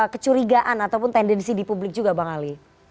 kecurigaan ataupun tendensi di publik juga bang ali